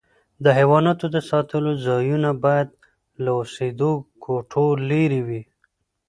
د حیواناتو د ساتلو ځایونه باید له اوسېدو کوټو لیري وي.